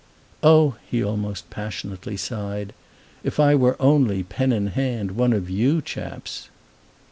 "Oh," he almost passionately sighed, "if I were only, pen in hand, one of you chaps!"